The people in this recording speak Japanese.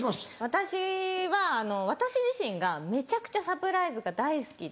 私は私自身がめちゃくちゃサプライズが大好きで。